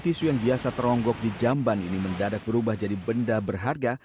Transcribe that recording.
tisu yang biasa teronggok di jamban ini mendadak berubah jadi benda berharga